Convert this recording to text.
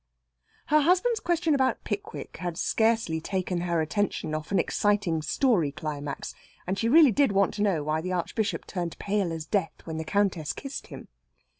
Her husband's question about "Pickwick" had scarcely taken her attention off an exciting story climax, and she really did want to know why the Archbishop turned pale as death when the Countess kissed him.